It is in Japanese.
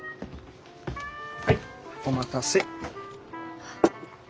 はいお待たせ。